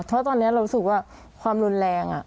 เพราะตอนนี้เรารู้สึกว่าความรุนแรง